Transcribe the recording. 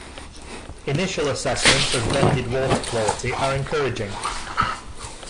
Initial assessments of vended water quality are encouraging.